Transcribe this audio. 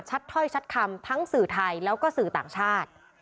ถ้อยชัดคำทั้งสื่อไทยแล้วก็สื่อต่างชาติ